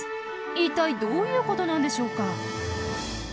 一体どういうことなんでしょうか？